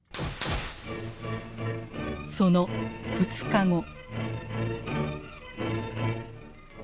その２日後。